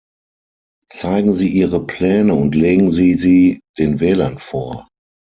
Zeigen Sie Ihre Pläne und legen Sie sie den Wählern vor.